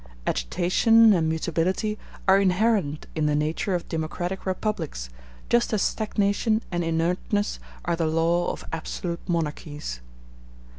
Agitation and mutability are inherent in the nature of democratic republics, just as stagnation and inertness are the law of absolute monarchies.